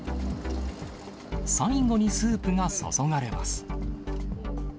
最後にスープが注がれます。